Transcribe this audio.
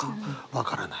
分からない。